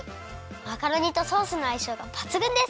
マカロニとソースのあいしょうがばつぐんです！